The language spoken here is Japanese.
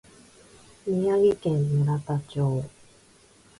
宮城県村田町